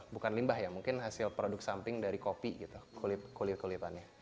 bukan limbah ya mungkin hasil produk samping dari kopi gitu kulit kulitannya